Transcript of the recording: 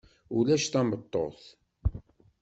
Ulac tameṭṭut.